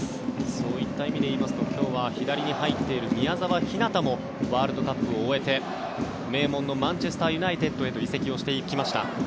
そういった意味で言いますと今日、左に入っている宮澤ひなたもワールドカップを終えて名門のマンチェスター・ユナイテッドへと移籍していきました。